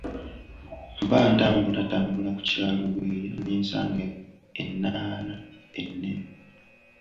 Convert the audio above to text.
Mba ntambulatambula ku kyalo bweya ne nsanga ennaana ennene.